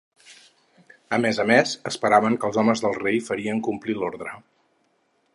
A més a més, esperaven que els homes del rei farien complir l'ordre.